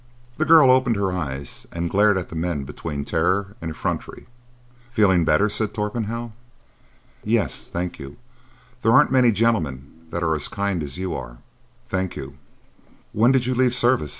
The girl opened her eyes and glared at the men between terror and effrontery. "Feeling better?" said Torpenhow. "Yes. Thank you. There aren't many gentlemen that are as kind as you are. Thank you." "When did you leave service?"